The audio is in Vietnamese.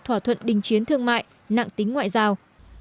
thỏa thuận đình chiến thương mại nặng tính ngoại giao